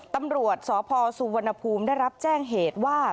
ตำรวจสพสุวรรณภูมิได้รับแจ้งเหตุว่า